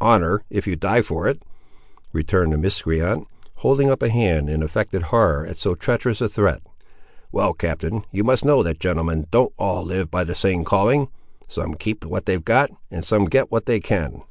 "Honour, if you die for it!" returned the miscreant, holding up a hand in affected horror at so treacherous a threat. "Well, captain, you must know that gentlemen don't all live by the same calling; some keep what they've got, and some get what they can."